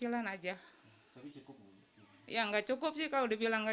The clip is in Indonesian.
ini buat berapa orang di rumah ini